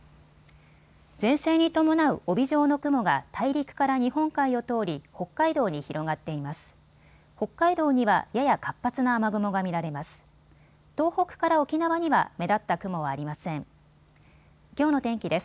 前線に伴う帯状の雲が大陸から日本海を通り北海道に広がっています。